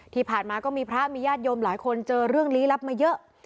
ที่ผ่านมาก็มีพระมีญาติโยมหลายคนเจอเรื่องลี้ลับมาเยอะ